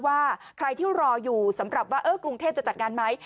ว่าใครที่รออยู่สำหรับว่ากรุงเทพจะจัดงานไหม